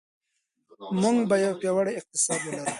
موږ به یو پیاوړی اقتصاد ولرو.